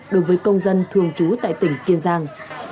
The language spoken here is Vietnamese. đối với công dân thường trú tại tỉnh kiên giang